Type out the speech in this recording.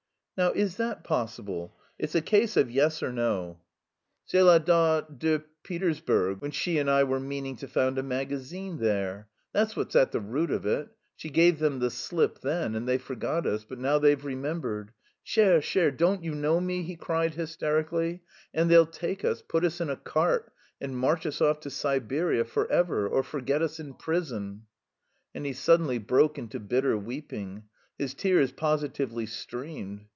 "Now is that possible? It's a case of yes or no." "Cela date de Pétersburg when she and I were meaning to found a magazine there. That's what's at the root of it. She gave them the slip then, and they forgot us, but now they've remembered. Cher, cher, don't you know me?" he cried hysterically. "And they'll take us, put us in a cart, and march us off to Siberia forever, or forget us in prison." And he suddenly broke into bitter weeping. His tears positively streamed.